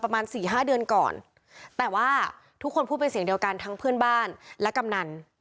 ประมาณสี่ห้าเดือนก่อนแต่ว่าทุกคนพูดเป็นเสียงเดียวกันทั้งเพื่อนบ้านและกำนัน